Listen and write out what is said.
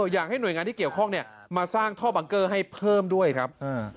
อยากให้หน่วยงานที่เกี่ยวข้องมาสร้างท่อบังเกอร์ให้เพิ่มด้วยครับ